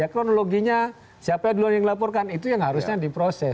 kronologinya siapa duluan yang dilaporkan itu yang harusnya diproses